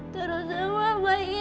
terus semua baik itu